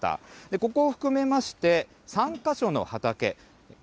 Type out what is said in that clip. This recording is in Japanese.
ここを含めまして、３か所の畑、計